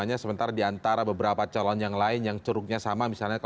apa namanya sementara diantara beberapa calon yang lain yang curugnya sama dengan pak jokowi